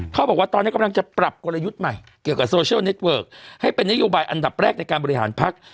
เขาบอกว่าตอนเนี้ยกำลังจะปรับกลยุทธ์ใหม่เกี่ยวกับให้เป็นนโยบายอันดับแรกในการบริหารพักษ์